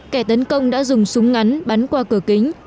kẻ tấn công đã dùng súng ngắn bắn qua cửa kính